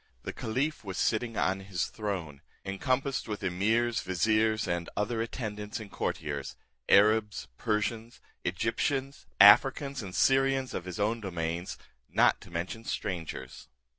The caliph was sitting on his throne, encompassed with emirs, viziers, and. other attendants and courtiers, Arabs, Persians, Egyptians, Africans, and Syrians, of his own dominions, not to mention strangers.